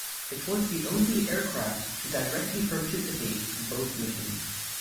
It was the only aircraft to directly participate in both missions.